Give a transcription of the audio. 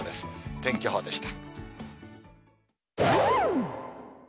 天気予報でした。